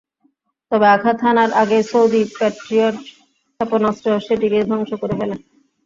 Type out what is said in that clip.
তবে আঘাত হানার আগেই সৌদি প্যাট্রিয়ট ক্ষেপণাস্ত্র সেটিকে ধ্বংস করে ফেলে।